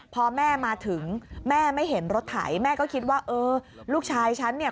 พอแม่มาถึงแม่ไม่เห็นรถไถแม่ก็คิดว่าเออลูกชายฉันเนี่ย